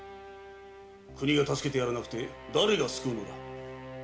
国が助けてやらなくて誰が救うのだ？